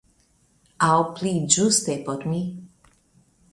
Aŭ pli ĝuste por mi.